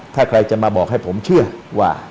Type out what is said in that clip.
ถ้าใครจะมาบอกให้ผมเชื่อว่า